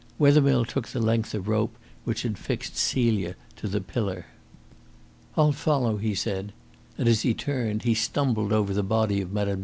Wethermill took the length of rope which had fixed Celia to the pillar. "I'll follow," he said, and as he turned he stumbled over the body of Mme.